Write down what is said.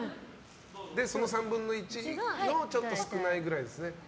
その３分の１の少ないくらいですね。